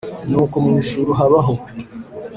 Nuko mu ijuru habaho